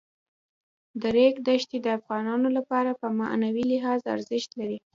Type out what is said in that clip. د ریګ دښتې د افغانانو لپاره په معنوي لحاظ ارزښت لري.